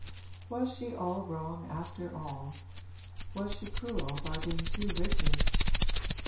Was she all wrong after all was she cruel by being too rigid?